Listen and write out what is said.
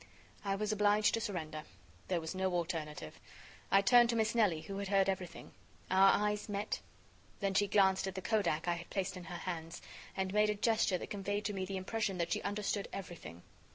I was obliged to surrender. There was no alternative. I turned to Miss Nelly, who had heard everything. Our eyes met; then she glanced at the Kodak I had placed in her hands, and made a gesture that conveyed to me the impression that she understood everything.